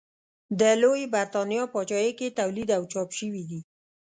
د لویې برېتانیا پاچاهۍ کې تولید او چاپ شوي دي.